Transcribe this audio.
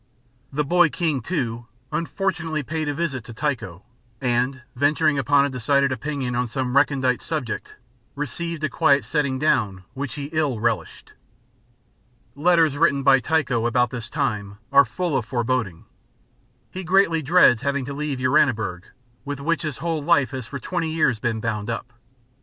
The boy king, too, unfortunately paid a visit to Tycho, and, venturing upon a decided opinion on some recondite subject, received a quiet setting down which he ill relished. Letters written by Tycho about this time are full of foreboding. He greatly dreads having to leave Uraniburg, with which his whole life has for twenty years been bound up.